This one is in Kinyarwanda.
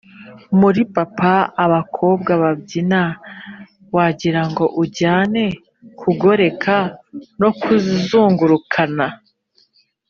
muri papa abakobwa babyina wagirango unjyane kugoreka no kuzunguruka.